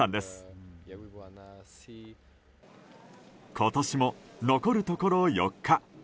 今年も残るところ４日。